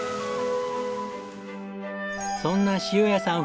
そんな塩谷さん